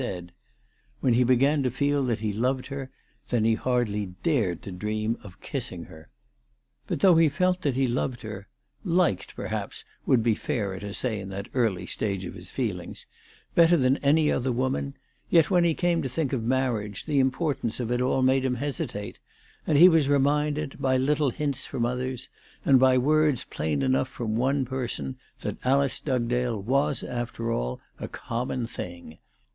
ALICE DUGDALE. 363 When lie began to feel that he loved her, then he hardly dared to dream of kissing her. But though he felt that he loved her, liked per haps it would be fairer to say in that early stage of his feelings, better than any other woman, yet when he came to think of marriage, the importance of it all made him hesitate ; and he was reminded, by little hints from others, and by words plain enough from one person, that Alice Dugdale was after all a common thing.